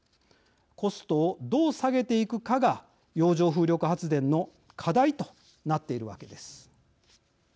コストをどう下げていくかが洋上風力発電の課題となっているわけです。